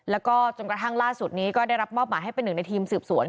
แล้วก็จนกระทั่งล่าสุดนี้ก็ได้รับมอบหมายให้เป็นหนึ่งในทีมสืบสวน